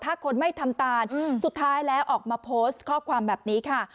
ถ้าคนไม่ทำตานสุดท้ายแล้วออกมาโพสต์ข้อความแบบนี้ค่ะ